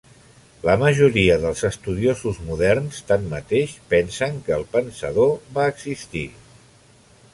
La majoria dels estudiosos moderns, tanmateix, pensen que el pensador va existir.